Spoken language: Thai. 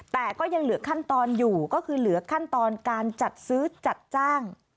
แต่ก็ยังเหลือขั้นตอนอยู่ก็คือเหลือขั้นตอนการจัดซื้อจัดจ้าง